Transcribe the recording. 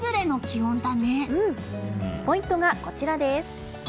ポイントがこちらです。